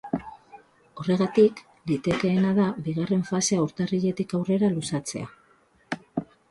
Horregatik, litekeena da bigarren fasea urtarriletik aurrera luzatzea.